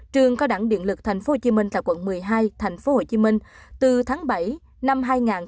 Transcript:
trường cao đẳng điện lực tp hcm tại quận một mươi hai tp hcm từ tháng bảy năm hai nghìn hai mươi